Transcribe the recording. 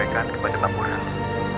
kita cepat alta periksa buku itu